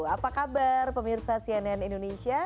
apa kabar pemirsa cnn indonesia